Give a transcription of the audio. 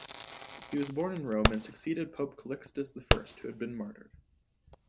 He was born in Rome and succeeded Pope Callixtus I, who had been martyred.